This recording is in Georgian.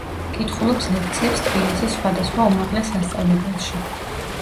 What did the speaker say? კითხულობს ლექციებს თბილისის სხვადასხვა უმაღლეს სასწავლებელში.